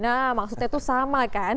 nah maksudnya itu sama kan